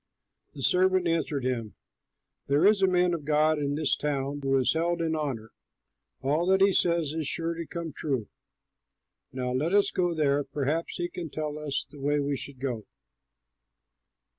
The servant answered him, "There is a man of God in this town who is held in honor; all that he says is sure to come true. Now let us go there; perhaps he can tell us the way we should go."